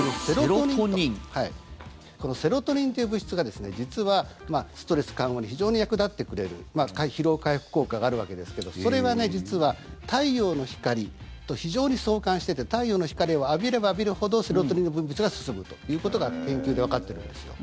このセロトニンという物質が実はストレス緩和に非常に役立ってくれる疲労回復効果があるわけですけどそれは実は太陽の光と非常に相関していて太陽の光を浴びれば浴びるほどセロトニンの分泌が進むということが研究でわかっているんですよ。